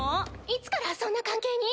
いつからそんな関係に？